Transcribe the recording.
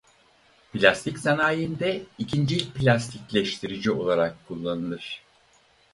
Plastik sanayinde ikincil plastikleştirici olarak kullanılır.